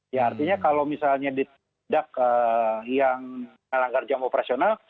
ya artinya kalau misalnya di pendak yang terlengkar jam operasional